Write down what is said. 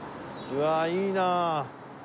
うわあいいな。